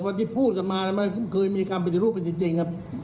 พอที่พูดกันมามันเคยมีคำปฏิรูปเป็นจริง